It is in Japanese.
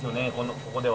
ここでは。